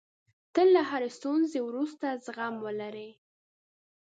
تل له هرې ستونزې وروسته زغم ولرئ.